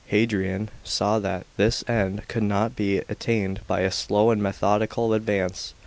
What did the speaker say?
Hadrian saw that this | end could only be attained by a slow ^ and methodical advance.